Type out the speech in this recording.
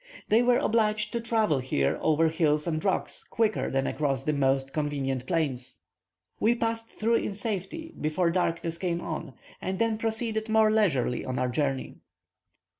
They were obliged to travel here over hills and rocks quicker than across the most convenient plains. We passed through in safety before darkness came on, and then proceeded more leisurely on our journey.